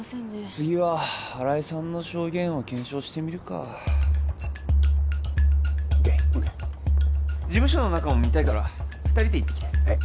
次は新井さんの証言を検証してみるかＯＫ事務所の中も見たいから二人で行ってきてえっ？